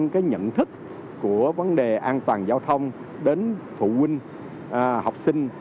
cái nhận thức của vấn đề an toàn giao thông đến phụ huynh học sinh